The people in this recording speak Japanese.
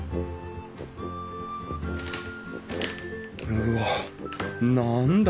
うわっ何だ？